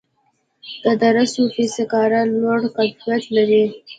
د دره صوف سکاره لوړ کیفیت لري